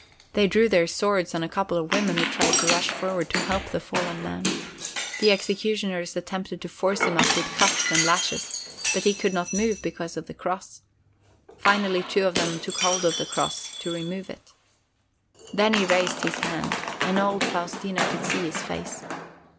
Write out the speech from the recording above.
They drew their swords on a couple of women who tried to rush forward to help the fallen man. The executioners attempted to force him up with cuffs and lashes, but he could not move because of the cross. Finally two of them took hold of the cross to remove it. Then he raised his head, and old Faustina could see his face.